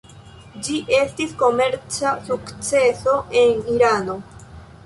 Ĝi estis komerca sukceso en Irano.